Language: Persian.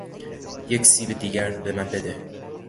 یک سیب دیگر به من بده.